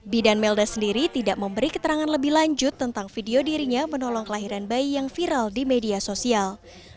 bidan melda sendiri tidak memberi keterangan lebih lanjut tentang video dirinya menolong kelahiran bayi yang viral di media sosial